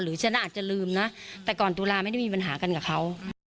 ฉันอาจจะลืมนะแต่ก่อนตุลาไม่ได้มีปัญหากันกับเขา